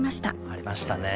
ありましたね。